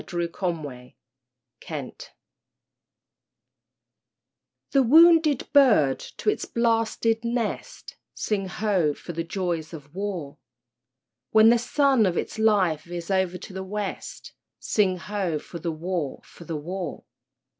A WAR SONG The wounded bird to its blasted nest, (Sing ho! for the joys of war!) When the sun of its life veers o'er to the West, (Sing ho! for the war, for the war!)